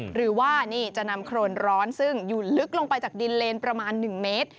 หรือว่านี่จะนำโครนร้อนซึ่งอยู่ลึกลงไปจากดินเลนประมาณ๑เมตร